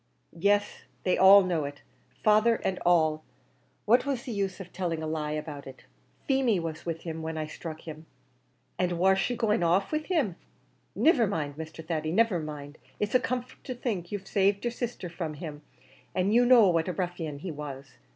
"Yes, they all know it father and all; what was the use of telling a lie about? Feemy was with him when I struck him." "And war she going off with him? Niver mind, Mr. Thady, niver mind; it's a comfort to think you've saved your sisther from him, an' you know what a ruffian he was.